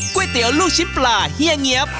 เตี๋ยวลูกชิ้นปลาเฮียเงี๊ยบ